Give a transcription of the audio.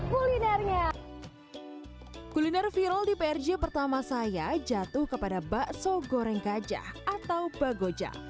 kulinernya kuliner viral di prj pertama saya jatuh kepada bakso goreng gajah atau bagoja